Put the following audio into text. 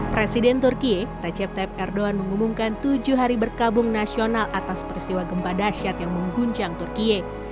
presiden turki recep tayyip erdogan mengumumkan tujuh hari berkabung nasional atas peristiwa gempa dasyat yang mengguncang turki